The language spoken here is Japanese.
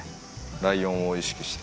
ライオンを意識して。